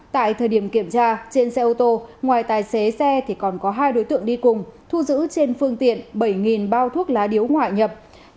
tại thời điểm kiểm tra trên xe ô tô ngoài tài xế xe còn có hai đối tượng đi cùng thu giữ trên phương tiện bảy bao thuốc lá điếu ngoại nhập